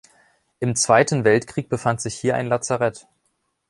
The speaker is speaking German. Im Zweiten Weltkrieg befand sich hier ein Lazarett.